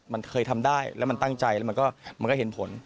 มันเคยทำได้แล้วมันตั้งใจแล้วมันก็เห็นผล